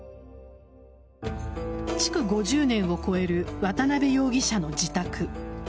築５０年を超える渡辺容疑者の自宅。